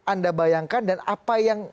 anda bayangkan dan apa yang